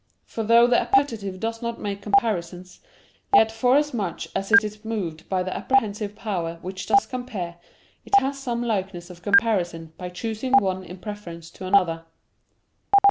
For though the appetite does not make comparisons, yet forasmuch as it is moved by the apprehensive power which does compare, it has some likeness of comparison by choosing one in preference to another.